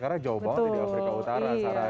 karena jauh banget di afrika utara